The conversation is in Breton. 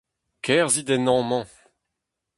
Kerzhit en hañv-mañ !